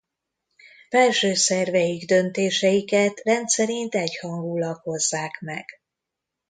Felső szerveik döntéseiket rendszerint egyhangúlag hozzák meg.